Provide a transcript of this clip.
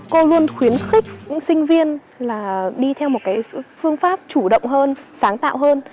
cô luôn khuyến khích sinh viên đi theo một phương pháp chủ động hơn sáng tạo hơn